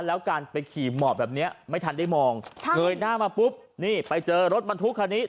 แล้วการไปขี่หมอบแบบนี้ไม่ทันได้มองเงยหน้ามาปุ๊บนี่ไปเจอรถบรรทุกคันนี้